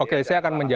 oke saya akan menjawab